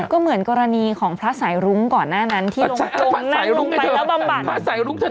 ก็เหมือนกรณีของพระสายรุ้งก่อนหน้านั้นที่ลงไปแล้วบำบัด